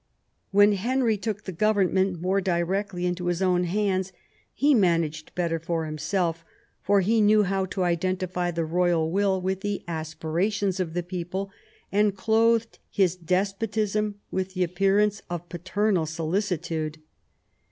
When Henry took the government more directly into his own hands he managed better for himself, for he knew how to identify the royal will with the aspirations of the people, and clothed his despotism with the appearance of paternal solicitude.